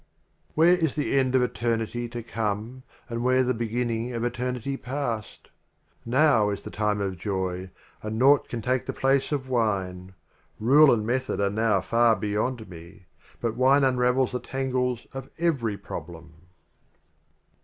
Where is the End of Eternity to Come, and where the Beginning of Eternity Past ? Now is the Time of Joy — and naught can take the place of Wine. Rule and Method are now far be yond me, But Wine unravels the Tangles of every Problem.